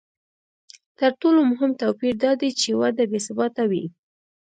تر ټولو مهم توپیر دا دی چې وده بې ثباته وي